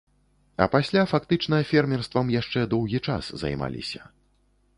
А пасля фактычна фермерствам яшчэ доўгі час займаліся.